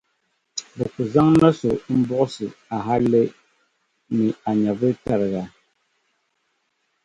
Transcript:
bɛ ku zaŋ na’ so m-buɣisi a hali ni a nyɛvili tariga.